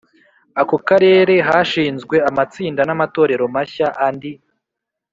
ako karere hashinzwe amatsinda n amatorero mashya Andi